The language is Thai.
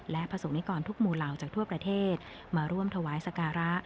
และประสงค์นิกรทุกหมู่เหล่าจากทั่วประเทศมาร่วมถวายสการะ